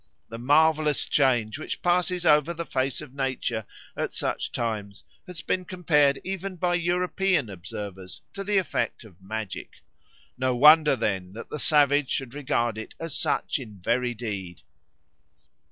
The marvellous change which passes over the face of nature at such times has been compared even by European observers to the effect of magic; no wonder, then, that the savage should regard it as such in very deed.